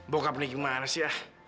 bapak ini gimana sih ah